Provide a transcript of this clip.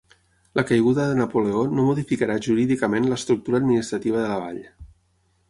La caiguda de Napoleó no modificarà jurídicament l'estructura administrativa de la vall.